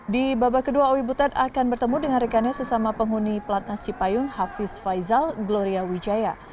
di babak kedua owi butet akan bertemu dengan rekannya sesama penghuni pelatnas cipayung hafiz faizal gloria wijaya